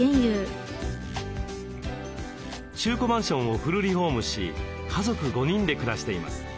中古マンションをフルリフォームし家族５人で暮らしています。